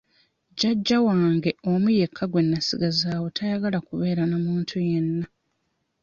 Jjajja wange omu yekka gwe nasigazaawo tayagala kubeera na muntu yenna.